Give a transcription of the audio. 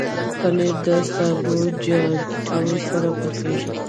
پنېر د سابهجاتو سره پخېږي.